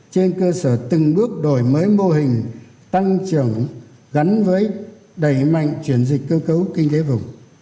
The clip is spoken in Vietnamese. trên cơ sở từng bước đổi mới mô hình tăng trưởng gắn với đẩy mạnh chuyển dịch cơ cấu kinh tế vùng